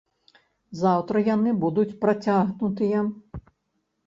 Заўтра яны будуць працягнутыя.